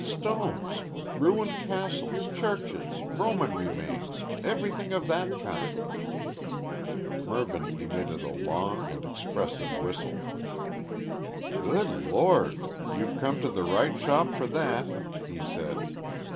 "Old stones. Ruined castles churches Roman remains everything of that kind." Mervyn emitted a long and expressive whistle. "Good Lord! but you've come to the right shop for that," he said.